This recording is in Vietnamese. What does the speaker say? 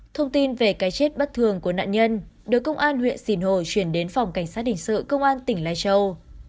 thông tin về cái chết bất thường của nạn nhân được công an huyện xìn hồ chuyển đến phòng cảnh sát hình sự công an tỉnh lai châu